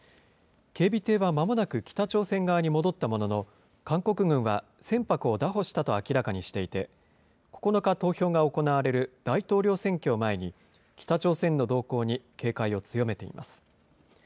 警備艇はまもなく北朝鮮側に戻ったものの、韓国軍は、船舶を拿捕したと明らかにしていて、９日投票が行われる大統領選挙を前に、北朝鮮の動向に警戒を強めています。